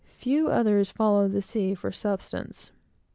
Few others follow the sea for subsistence.